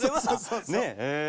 ねえ。